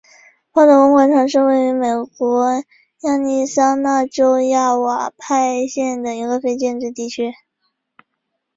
鲍德温广场是位于美国亚利桑那州亚瓦派县的一个非建制地区。